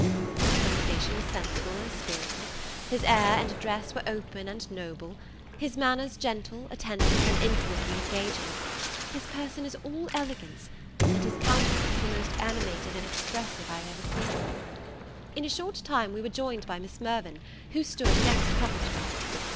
His conversation was sensible and spirited; his air, and address were open and noble; his manners gentle, attentive, and infinitely engaging; his person is all elegance, and his countenance the most animated and expressive I have ever seen. In a short time we were joined by Miss Mirvan, who stood next couple to us.